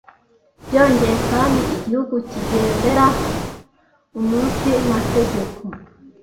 Byongeye kandi, Igihugu kigendera umunsi mategeko,